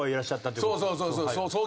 そうそうそうそう。